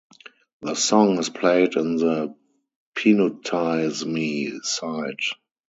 The song is played in the Peanutize Me site.